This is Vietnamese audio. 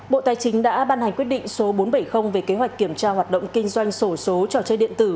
bộ tài chính đã ban hành quyết định số bốn trăm bảy mươi về kế hoạch kiểm tra hoạt động kinh doanh sổ số trò chơi điện tử